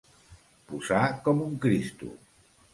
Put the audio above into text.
Posar com un Cristo.